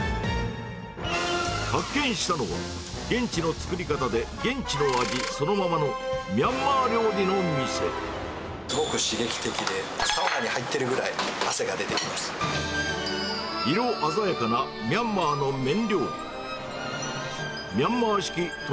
発見したのは、現地の作り方で現地の味そのままの、すごく刺激的で、サウナに入ってるぐらい、色鮮やかなミャンマーの麺料理。